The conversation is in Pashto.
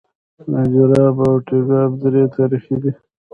د نجراب او تګاب درې تاریخي دي